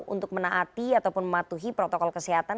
untuk menaati ataupun mematuhi protokol kesehatan